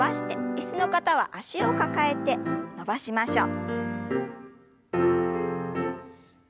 椅子の方は脚を抱えて伸ばしましょう。